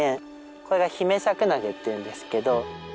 これがヒメシャクナゲっていうんですけど。